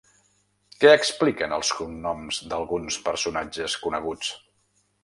Què expliquen els cognoms d’alguns personatges coneguts?